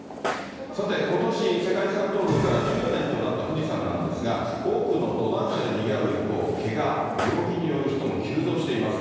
さて、ことし世界遺産登録から１０年となった富士山なんですが、多くの登山者でにぎわう一方、けが、病気による人も急増しています。